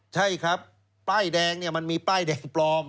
ใช่ครับป้ายแดงเนี่ยมันมีป้ายแดงปลอม